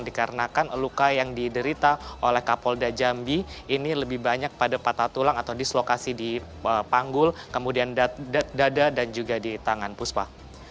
dikarenakan luka yang diderita oleh kapolda jambi ini lebih banyak pada patah tulang atau dislokasi di panggul kemudian dada dan juga di tangan puspa